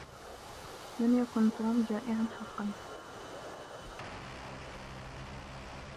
لم يكن توم جائعا حقا.